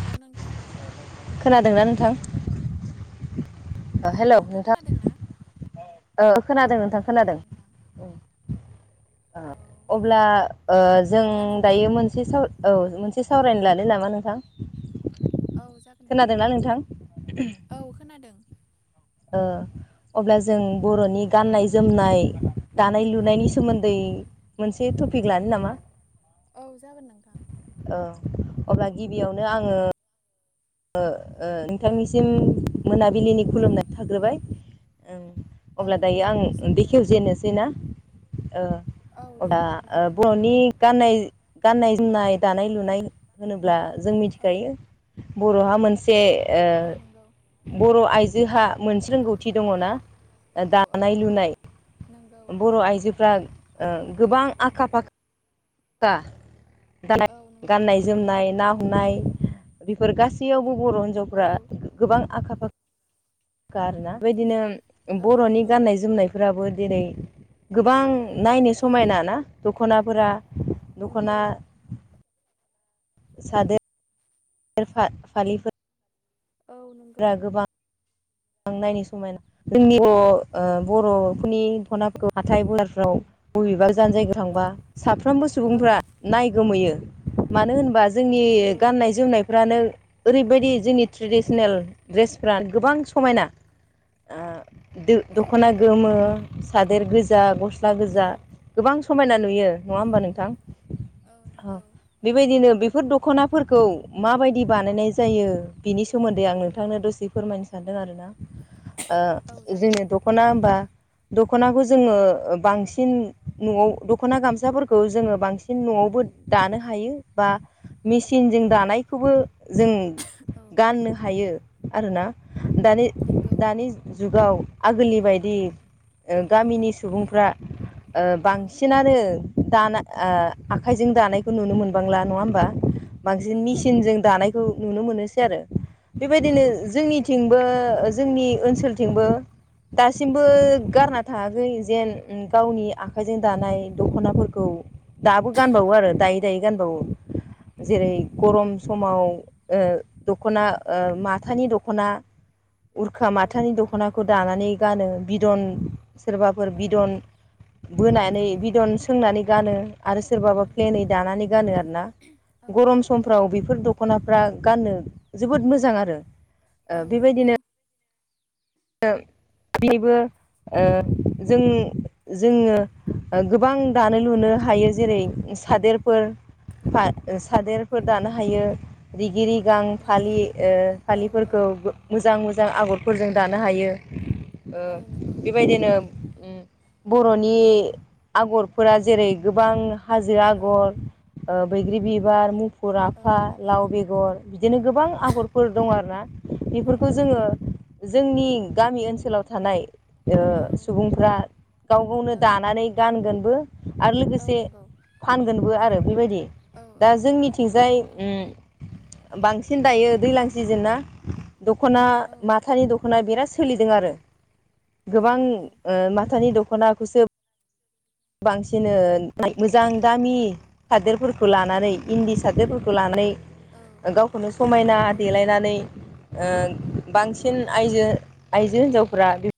हेल' नोंथां खोनादोंना नोंथां ओ औ हेलौ नोंथाङ नोंथां खोनादों न ओ औ खोनादों नोंथां न औ खोनादों नोंथां ओ औ अब्ला जों बिदिब्ला नोंथां दायो मोनसे स औ एसे सावरायनो लालै नामा नोंथां औ जागोन। खोनादोंना नोंथां औ खोनादों अब्ला जों बर'नि गाननाय औ जोमनाय दानाय औ लुनायनि सोमोन्दै मोनसे टपिक लानो नामा? औ जागोन नोंथां औ अब्ला गिबियावनो आङो औ नोंथांनिसिम मोनाबिलिनि औ खुलुमनाय थाग्रोबायओ। औ अब्ला दायो आं नोंथांनिसिमबो बेखेवजेनोसै ना ओ। औ दे अबा बिदिब्ला नोंथां बनि गाननाय गाननाय जोमनाय दानाय लुनाय होनोब्ला जों औ मिथिखायो। औ बर'हा मोनसे औ नंगौ बर' आइजोहा मोनसे रोंगौथि दङना ओ औ औ दानाय लुनाय नंगौ बर' आइजोफ्रा औ ओ गोबां आखा फाख खा दानाय औ नंगौ गाननाय जोमनाय ना हमनाय बेफोर गासैयावबो बर' औ हिन्जावफ्रा गोबां आखा फाखा फाखा आरोना बेदिनो औ बर'नि नंगौ गाननाय जोमनाय फोराबो दिनै गोबां नायनो समायना ना दख'नाफोरा नंगौ दखना सादो दोर फा-फालिफोर औ नंगौ बां नायनो समायना जोंनि ब ओ बर'फोरनि थनाफोरखौ हाथाय बाजारफ्राव बबेबा गोजान जायगायाव थांबा साफ्रोमबो औ सुबुंफ्रा नाय गोमोयो मानो होनबा जोंनि नंगौ गाननाय जोमनायफ्रानो ओरैबायदि जोंनि ट्रेडिसनेल ड्रेसफ्रा गोबां समायना ओ दो औ दख'ना नोंथां गोमो, सादेर गोजा गस गस्ला औ गोजा गोबां समायना नुयो नङा औ होमबा नोंथां औ बेबायदिनो बे बेफोर दख'नाफोरखौ माबायदि बानायनाय जायो बिनि सोमोन्दै आं नोंथांनो दसे फोरमायनो सानदों आरोना औ ओ जागोन जोंनि दख'ना होमबा दख'नाखौ जोङो ओ बांसिन न'आव दख'ना गामसाफोरखौ जोङो बां सिन न'आवबो दानो हायो बा औ मेसिनजों दानायखौबो जों औ गाननो हायो आरोना दानि नंगौ दानि जुगाव आगोलनि बायदि ओ गामिनि सुबुंफ्रा ओ औ बांसिनानो दाना ओ आखायजों दानायखौ नुनो मोनबांला नङा होमबा बांसिन नंगौ मिसिनजों दानाय खौ नुनो मोनोसै आरो औ बेबायदिनो नंगौ जोंनि नोंथां थिंबो जोंनि ओनसोलथिंबो दासिमबो औ गारना थाङाखै जेन उम गावनि आखाइजों औ दानाय दख'नाफोरखौ दाबो औ गानबावो आरो नंगौ दायै दायै गानबावो जेरै नंगौ गरम समाव ओ दख'ना ओ माथानि दख'ना उरखा औ माथानि नंगौ दख'नाखौ दानानै गानो बिदन सोरबाफोर औ बिदन बोनानै औ बिदन नंगौ सोंनानै गानो आरो सोरबाबा नंगौ प्लेनै दानानै गानो आरोना औ औ गरम समफ्राव बेफोर दख'नाफ्रा गाननो जोबोद मोजां आरो ओ औ नंगौ ओ बेबो ओ जों जोङो ओ गोबां दानो लुनो हायो जेरै सादेरफोर नंगौ सादेरफोर नंगौ दानो हायो रिगि रिगां नंगौ फालि ओ औ औ फालिफोरखौ मोजां मोजां आगरफोरजों दानो हायो ओ औ नंगौ नोंथां बेबायदिनो उम बर'नि आगरफोरा जेरै गोबां हाजो औ आगर ओ बैग्रि बिबार, मुफुर औ आफा, लाव बेगर बिदिनो गोबां आगरफोर दं आरोना बेफोरखौ नंगौ जोङो जोंनि गामि ओनसोलाव थानाय औ ओ सुबुंफ्रा गाव गावनो औ दानानै गानगोनबो आरो औ लोगोसे नंगौ फानगोनबो आरो बेबायदि औ दा औ जोंनिथिंजाय उम बांसिन दायो दैज्लां सिजोन ना दख'ना औ मा दख'ना बिराद सोलिदों आरो औ गोबां नंगौ ओ माथानि दख'नाखौसो बांसिन ओ मोजां दामि सादोरफोरखौ लानानै इन्दी सादोरफोरखौ औ लानानै गावखौनो समायना औ देलायनानै ओ औ बांसिन नंगौ आइजो आइजो हिनजावफ्रा बि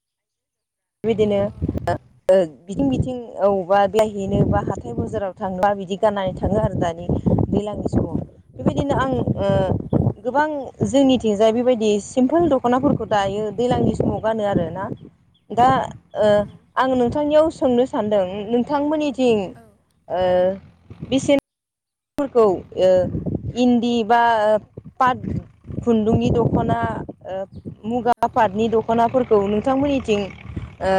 औ बिदिनो औ [inaudible] बिथिं बिथिं अबावबा बेरायहैनो बा हाथाय बाजाराव थाङा बिदि गाननानै था दैज्लांनि समाव औ बेबायदिनो आं औ ओ नंगौ गोबां। जोंनिथिंजाय बेबायदि सिमपोल दख'नाफोरखौ दायो दैज्लांनि समाव गानो आरो ना। दा ओ नंगौ आं नोंथांनियाव सोंनो सानदों नोंथांमोननिथिं औ ओ बिसि फोरखौ ओ इन्दि बा आ पाट खुन्दुंनि दख'ना ओ मुगा औ पाटनि द दख'नाफोरखौ नोंथांमोननिथिं ओ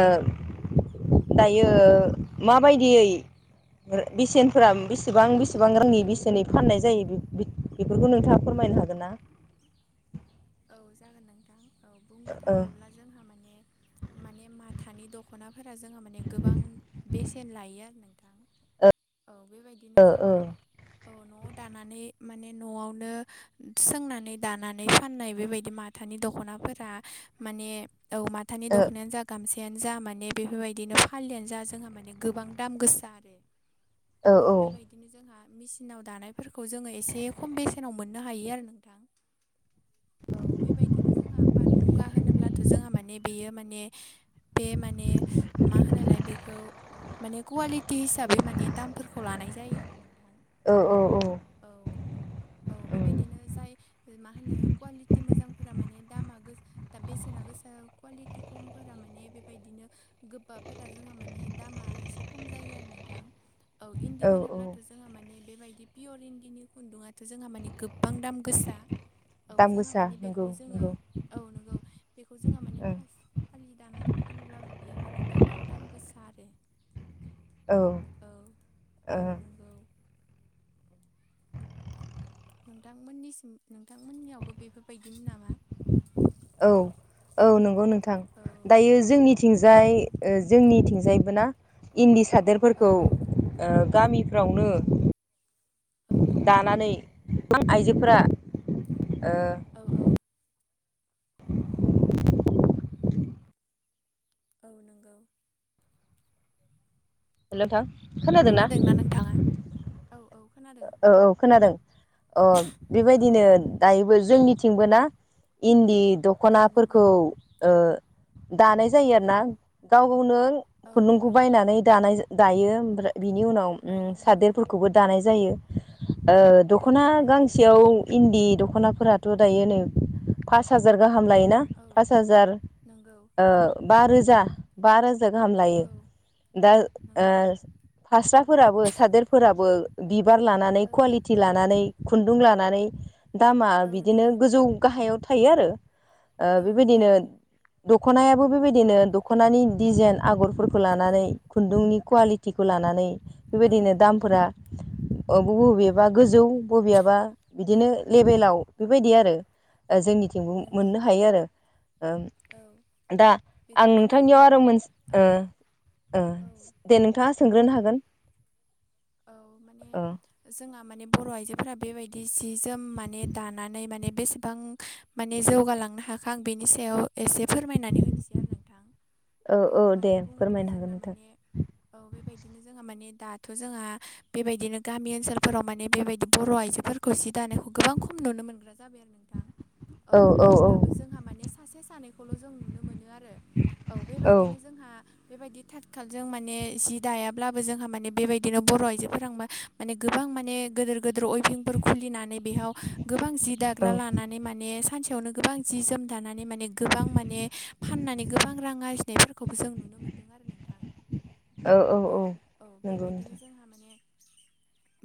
दायो माबायदियै औ बेसेनफोरा बेसेबां बेसेबां औ रांनि बेसेनै फाननाय जायो बेफोरखौ नोंथाङा फोरमायनो हागोन ना? औ जागोन नोंथां औ बुंनो ओ थाङोब्ला जोंहा माने माने मा थानि दख'नाफोरा जोंहा माने गोबां बेसेन लायो आरो नोंथां। औ बेबायदिनो जोंहा औ न'आव दानानै माने न'आवनो सोंनानै दानानै फाननाय बेबायदि माथानि दख'नाफोरा माने औ माथानि दख'नायानो जा गामसायानो जा माने बेफोरबायदिनो फालिआानो जा जोंहा माने गोबां दाम गोसा आरो। ओ औ बेबायदि बिदिनो जोंहा मचिनाव दानायफोरखौ जोङो एसे खम बेसेनाव मोननो हायो आरो नोंथां। औ बेबायदिनो जोंहा पाट मुगा होनोब्लाथ' जोंहा माने। बेयो माने बे माने मा होनालाय बेखौ माने कुवालिटि हिसाबै माने दामफोरखौ लानाय जायो। औ औ औ। औ औ बेबायदिनो जाय मा होनो कुवालि बि मोजांफोरा माने दामा गो दा बेसेना गोसा कुवालिटि खमफोरा माने बेबायदिनो गोबाफोरा जोंहा माने दामा एसे खम जायो आरो नोंथां। औ इन्दि होनोब्लाथ' जोंहा माने बेबायदि पियर इन्दिनि खुन्दुङाथ' जोंहा माने गोबां दाम गोसा। औ दाम जोंहा गोसा मानिे बेखौ नंगौ जोङो नंगौ औ नंगौ बेखौ जोंहा माने ओं फालि दानानै फानोलाबो बियो माने गोबां दाम गोसा आरो। औ ओ औ औ नंगौ। नोंथांमोननिसिम नोंथांमोननियावबो बेफोरबायदिनो नामा? औ औ नंगौ नोंथां। औ दायो औ जोंनिथिंजाय ओ जोंनिथिंजायबो ना इन्दि औ सादोरफोरखौ ओ गामिफ्रावनो औ दानानै गोबां आइजोफोरा ओ औ औ। [inaudible] औ नंगौ। हेल' नोंथां खोनादोंना? औ औ खोनादों। औ औ खोनादों अ औ बेबायदिनो दायोबो जोंनिथिंबो ना इन्दि औ नंगौ दख'नाफोरखौ ओ दानाय जायो आरोना। गाव गावनो औ खुन्दुंखौ नंगौ बायनानै दानाय जा दायो ओमफ्राय बिनि उनाव औ उम नंगौ सादेरफोरखौबो दानाय जायो। ओ औ दख'ना गांसे नंगौ गांसेयाव इन्दि दख'नाफोराथ' दायो नै फास हाजार गाहाम लायो। ना औ पास हाजार नंगौ ओ बा रोजा। बा रोजा गाहाम लायो औ दा नंगौ ओ फास्राफोराबो सादेरफोराबो बिबार लानानै औ कुवालिटि लानानै खुन्दुं लानानै दामा औ बिदिनो नंगौ गोजौ गाहायाव थायो आरो। औ नंगौ बेबायदिनो दख'नायाबो बेबायदिनो दख'नानि डिजाइन आगरफोर औ लानानै खुन्दुंनि कुवालिटिखौ लानानै बेबायदिनो औ दामफोरा अ बबेबा गोजौ बबेयबा औ बिदिनो लेबेलाव बेबायदि आरो जोंनिथिंबो नंगौ मोननो हायो आरो। ओ औ दा आं नोंथांनियाव आरो औ मोनसे ओ औ ओ औ दे नोंथाङा सोंग्रोनो हागोन औ ओ माने जोंहा माने बर' आइजोफोरा बेबाय दि सि जोम माने दानानै माने बेसेन गोबां माने जौगालांनो हाखा आं बेनि सायाव एसे फोरमायनानै होनोसै आरो नोंथां। औ औ मानो दे बुङोब्ला फोरमायनो हागोन जोंना नोंथां। माने औ बेबायदिनो जोंङो माने दाथ' जोंहा बेबायदिनो गामि ओनसोलफोराव माने बेबायदि बर' आइजोफोरखौ जि दानायखौ गोबां खम नुनो मोनग्रा जाबाय आरो नोंथां। औ नुयोब्लाबो जोंहा माने सासे सानैखौल' जों नुनो मोनो आरो औ बेबायदिनो जोंहा बेबायदि थाथ खालजों माने जि दायाब्लाबो जोंहा माने बेबाय बिदिनो बर' आइजोफोरा माने गोबां माने गेदोर गेदोर अइफिंफोर खुलिना बेयावबां दाग्रा लानानै माने सानसेयावनो गोबां जोम दानानै माने गोबां माने फाननानै गोबां रां आरजिनायफोरखौबो जों नुनो मोन्दों आरो नोंथां। औ औ औ नोंगौ। जोंहा माने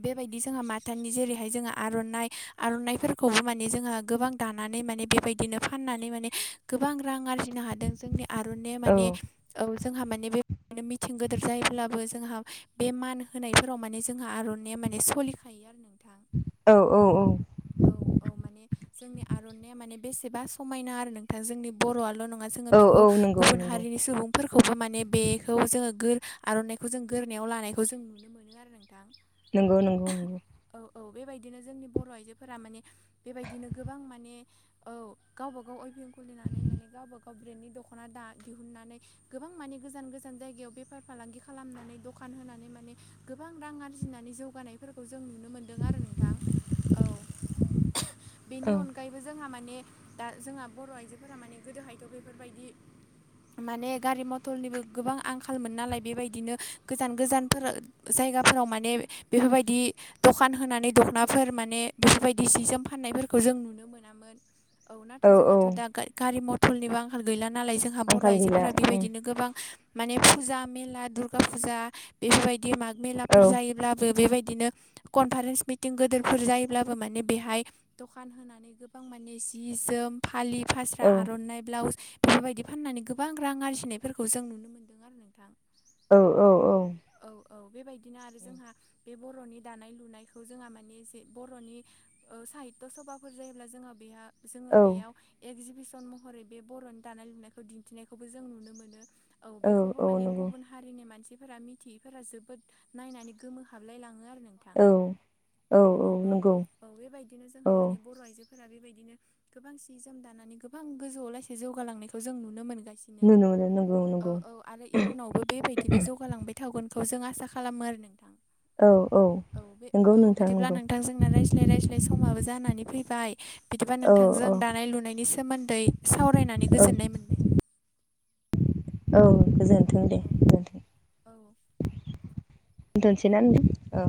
बेबायदि जोंहा माथानि जेरैहाय जोङो आर'नाइ आर'नाइफोरखौबो माने जोंहा गोबां दानानै माने बेबायदिनो फाननानै माने गोबां रां आरजि नो हादों जोंनि आर'नाया औ माने औ जोंहा माने बेदिनो मिथिं गोदोर जायोब्लाबो जोंहा बे मान होनायफोराव माने जोंहा आर'नानायइया माने सोलिखायो आरो नों थां औ औ औ माने जोंनि आर'नाइया माने बेसेबा समायना आरो नों जोंनि बर'आल' नङा जोङो बेखौ नंगौ गुबुन नंगौ हारिनि सुबुं फोरखौबो माने बेखौ जोङो गोर- आर'नाइखौ जों गोरनायाव लानायखौ जों नुनो मोनो आरो नोंथां। नंगौ नंगौ नंगौ औ औ बेबायदिनो जोंनि बर' आइजोफोरा माने बेबायदिनो गोबां माने औ गावबा गाव अइभिं गुलिनानै माने गावबा गाव ब्रेन्डनि दखना दा-दिहुननानै गोबां माने गोजान गोजान जायगायाव बेफार फालांगि खालामनानै दं। दखान होनानै माने गोबां रां आरजिनानै जौगानाय फोरखौ जों नुनो मोनदों आरो नोंथां औ। बेनि औ अनगायैबो जोंहा माने दा जोंहा बर' आइजोफोरा माने गोदोहायथ' बेफोरबायदि। माने गारि मथरनिबो गोबां आंखालमोन नालाय बेबायदिनो गोजान गोजानफोर जायगाफोराव माने बेफोरबायदि दखान होनानै दख'नाफोर माने बेफोरबायदि जि जोम फाननायफोरखौ जों नुनो मोनामोन। औ नाथाय जोंहाथ' दा गारि मथरनिबो आंखाल गैला नालाय जों हा बर' आंखाल गैला आइजोफोरा उम बेबायदिनो गोबां माने फुजा मेला दुर्गा फुजा बेफोरबायदि दि माग-मेलाफोर औ जायोब्लाबो बेबायदिनो। कनफारेन्स मिटिं गोदोरफोर जायोब्लाबो माने बेहाय दखान होनानै। गोबां माने जि जोम फालि फास्रा औ आर'नाइ ब्लाउस बेफोरबायदि फाननानै गोबां रां आरजिनायफोरखौ जों नुनो मोन्दों आरो नोंथां। औ औ औ औ औ बेबायदिनो आरो जोंहा बे बर'नि दानाय लुनायखौ जोंहा माने जे बर'नि साहित्य सभाफोर जायोब्ला जोंहा बेहा जोङो औ बेयाव एकजिबिसन महरै बे बर'नि दानाय लुनायखौ दिन्थिनायखौबो जों नुनो मोनो। औ बेखौबो औ माने नंगौ गुबुन हारिनि मानसिफोरा मिथियैफोरा जोबोद नायनानै गोमो हाबलाय लाङो आरो नों थां। औ औ नंगौ औ बेबायदिनो जों औ माने बर' आयजो फोरा बेबायदिनो गोबां सि जोम दानानै गोबां गोजौआव लास जौगालांनायखौ जों नुनो मोनगासिनो। बिदिनो नुनो मोनो नंगौ औ नंगौ औ आरो इयुनावबो बेबायदिनो जौगालांबाय। थावगोनखौ जों आसा खालामो आरो नोंथां। औ बे नंगौ औ नोंथां बिदिब्ला नंगौ नोंथां जोंना रायज्लाय रायज्लाय समाबो जानानै फैबाय। बिदिबा औ नोंथांजों औ दानाय लुनायनि सोमोन्दै सावरायनानै औ गोजोननाय मोनबाय। औ गोजोनथों दे औ गोजोनथों। औ दोनथसै ना औ।